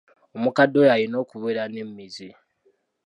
Omukadde oyo alina okubeera n'emmizi.